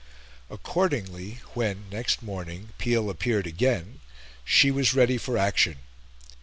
Accordingly, when, next morning, Peel appeared again, she was ready for action.